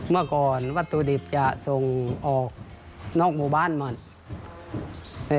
เมื่อก่อนวัตถุดิบจะส่งออกนอกหมู่บ้านหมด